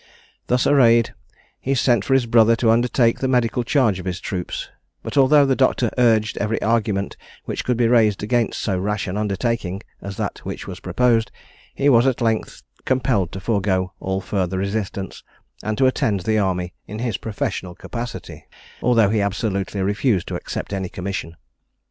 Thus arrayed he sent for his brother to undertake the medical charge of his troops; but although the doctor urged every argument which could be raised against so rash an undertaking as that which was proposed, he was at length compelled to forego all further resistance, and to attend the army in his professional capacity, although he absolutely refused to accept any commission.